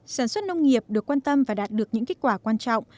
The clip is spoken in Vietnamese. sản xuất nông nghiệp được quan tâm và đạt được những kết quả quan trọng